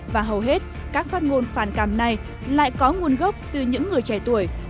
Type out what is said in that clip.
và hầu hết các phát ngôn phàn càm này lại có nguồn gốc từ những người trẻ tuổi